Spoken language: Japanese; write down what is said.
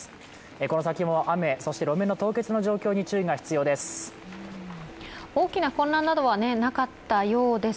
この先も雨、そして路面の凍結の状況に注意が必要です。